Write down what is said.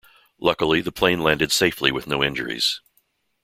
Luckily, the plane landed safely with no injuries.